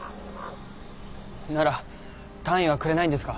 なら単位はくれないんですか？